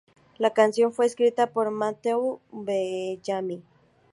La canción fue escrita por Matthew Bellamy